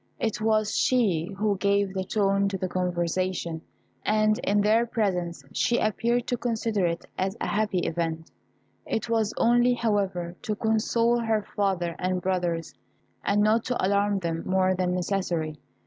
It was she who gave the tone to the conversation, and in their presence she appeared to consider it as a happy event; it was only, however, to console her father and brothers, and not to alarm them more than necessary.